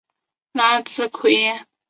拉兹奎耶。